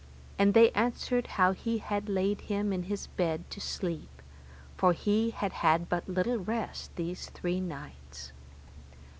And they answered how he had laid him in his bed to sleep, for he had had but little rest these three nights.